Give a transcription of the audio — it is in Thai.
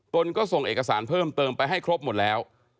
ตนก็ส่งเอกสารเพิ่มเติมไปให้ครบหมดแล้ว